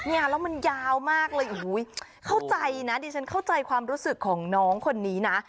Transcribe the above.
เนี่ยแล้วมันยาวมากเลยโอ้โหเข้าใจนะดิฉันเข้าใจความรู้สึกของน้องคนนี้นะ